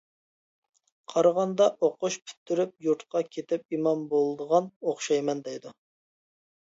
قارىغاندا ئوقۇش پۈتتۈرۈپ يۇرتقا كېتىپ ئىمام بولىدىغان ئوخشايمەن دەيدۇ.